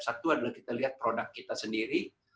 satu adalah kita lihat produk kita sendiri